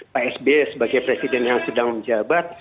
pak sby sebagai presiden yang sedang menjabat